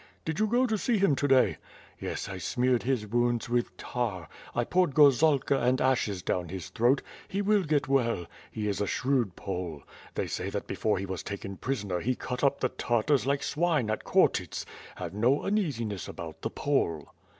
"Did you go to sec him to day?" "Yes, I smeared his wounds with tar; I poured gorzalka and ashes down his throat; he will got well; he is a shrewd Pole. They say that before he was taken prisoner he cut up the Tartars like swine at Khortyts. Have no uneasiness about the Pole."